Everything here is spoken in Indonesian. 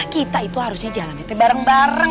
kita itu harusnya jalan ya teteh bareng bareng